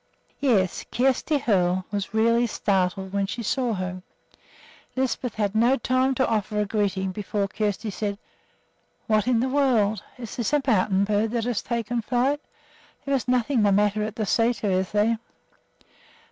Yes, Kjersti Hoel was really startled when she saw her. Lisbeth had no time to offer a greeting before Kjersti said: "What in the world! Is this a mountain bird that has taken flight? There is nothing the matter at the sæter, is there?"